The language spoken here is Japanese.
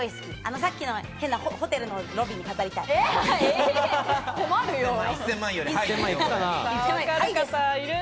さっきのホテルのロビーに飾りたい。